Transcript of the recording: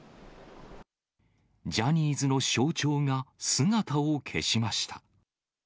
ジャニーズの象徴が姿を消しました。